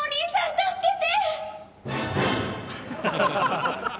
助けて！